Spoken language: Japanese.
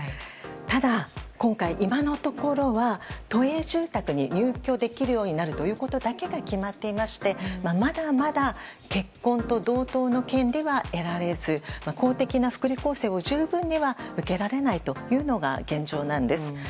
ただ、今回、今のところは都営住宅に入居できるようになることだけが決まっていましてまだまだ結婚と同等の権利は得られず、公的な福利厚生を十分には受けられないというのが現状なんです。